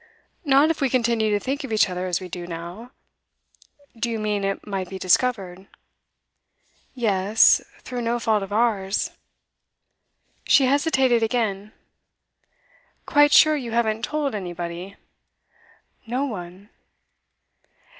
'Not if we continue to think of each other as we do now. Do you mean it might be discovered?' 'Yes, through no fault of ours.' She hesitated again. 'Quite sure you haven't told anybody?' 'No one.